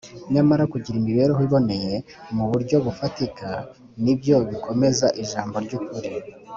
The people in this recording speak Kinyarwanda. nyamara kugira imibereho iboneye mu buryo bufatika ni byo bikomeza ijambo ry’ukuri